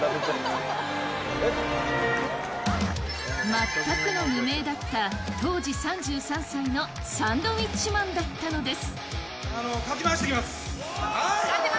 全くの無名だった、当時３３歳のサンドウィッチマンだったのです。